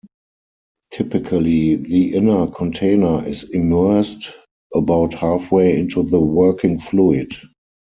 Typically the inner container is immersed about halfway into the working fluid.